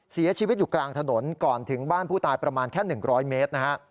เสียชีวิตอยู่กลางถนนก่อนถึงบ้านผู้ตายประมาณแค่๑๐๐เมตรนะฮะ